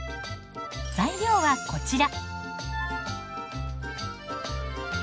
材料はこちら。